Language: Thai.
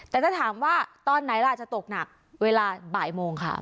แต่ถ้าถามว่าตอนไหนล่ะอาจจะตกหนักเวลาบ่ายโมงค่ะ